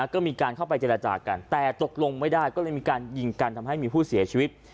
ก็มีการเข้าไปเจรจากันแต่ตกลงไม่ได้ก็เลยมีการยิงกันทำให้มีผู้เสียชีวิต